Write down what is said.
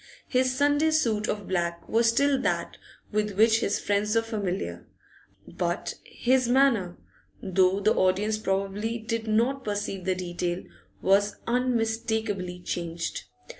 His Sunday suit of black was still that with which his friends were familiar, but his manner, though the audience probably did not perceive the detail, was unmistakably hanged.